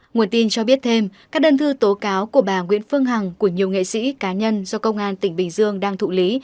nguồn tin cho biết thêm các đơn thư tố cáo của bà nguyễn phương hằng của nhiều nghệ sĩ cá nhân do công an tỉnh bình dương đang thụ lý